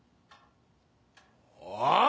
ああ！